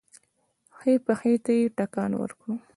ښی پښې ته يې ټکان ورکړ.